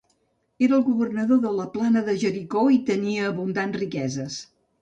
Era el governador de la plana de Jericó i tenia abundants riqueses.